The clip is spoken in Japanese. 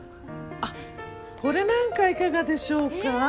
あっこれなんかいかがでしょうか？